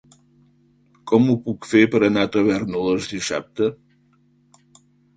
Com ho puc fer per anar a Tavèrnoles dissabte?